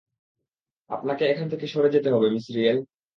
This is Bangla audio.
আপনাকে এখান থেকে সরে যেতে হবে, মিস রিয়েল।